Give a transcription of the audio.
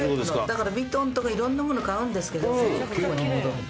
だからヴィトンとかいろんなもの買うんですけど戻るの。